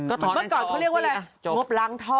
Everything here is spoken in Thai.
เมื่อก่อนเขาเรียกว่าอะไรงบล้างท่อ